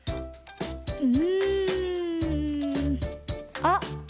うん。あっ！